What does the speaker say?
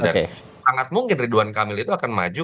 dan sangat mungkin ridwan kamil itu akan maju